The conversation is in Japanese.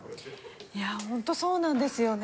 いやホントそうなんですよね。